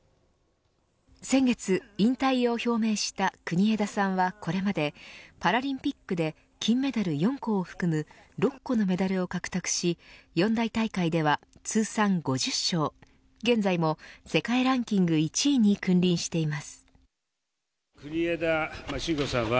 先月引退を表明した国枝さんはこれまでパラリンピックで金メダル４個を含む６個のメダルを獲得し四大大会では、通算５０勝現在も世界ランキング１位に君臨しています。